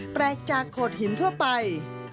แปลกจากโขดหินทั่วไป